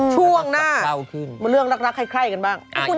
ช่วงหน้าเรื่องรักใครกันบ้าง